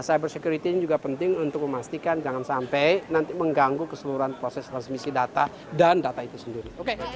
cyber security ini juga penting untuk memastikan jangan sampai nanti mengganggu keseluruhan proses transmisi data dan data itu sendiri